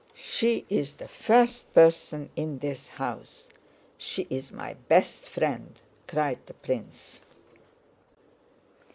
She is the first person in this house; she's my best friend," cried the prince.